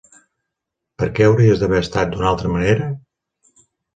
Per què hauries d'haver estat d'una altra manera?